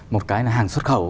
một cái là hàng xuất khẩu